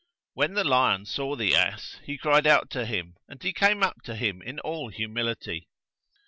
When the lion saw the ass, he cried out to him, and he came up to him in all humility.